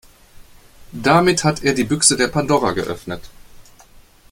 Damit hat er die Büchse der Pandora geöffnet.